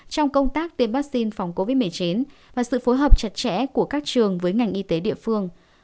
trong công tác tiêm vaccine phòng covid một mươi chín và sự phối hợp chặt chẽ của các trường với ngành y tế địa phương